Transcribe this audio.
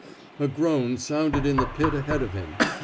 A groan sounded in the pit ahead of him.